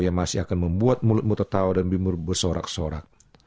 yang masih akan membuat mulutmu tertawa dan bimur bersorak sorak